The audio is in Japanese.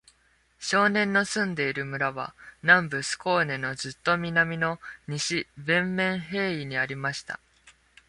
少年の住んでいる村は、南部スコーネのずっと南の、西ヴェンメンヘーイにありました。